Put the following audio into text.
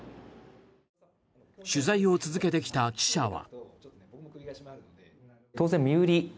取材を続けてきた記者は。